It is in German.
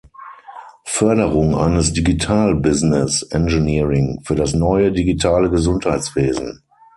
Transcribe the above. Förderung eines Digital Business Engineering für das neue, digitale Gesundheitswesen.